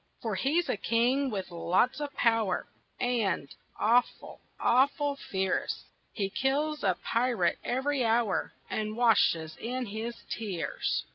For he's a king with lots of power And awful, awful fierce, He kills a pirate every hour And washes in his tears.